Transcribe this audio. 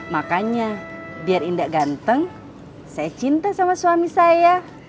makanya biar indah ganteng saya cinta sama suami saya